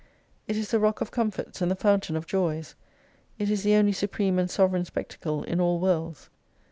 It is the Rock of Comforts and the Fountain of Joys. It is the only supreme and sovereign spectacle in all Worlds.